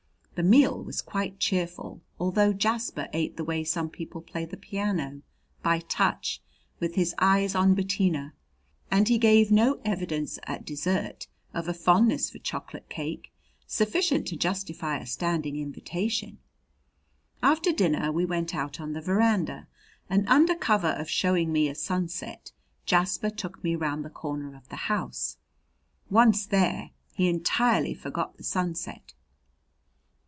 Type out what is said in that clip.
The meal was quite cheerful, although Jasper ate the way some people play the piano, by touch, with his eyes on Bettina. And he gave no evidence at dessert of a fondness for chocolate cake sufficient to justify a standing invitation. After dinner we went out on the veranda, and under cover of showing me a sunset Jasper took me round the corner of the house. Once there, he entirely forgot the sunset.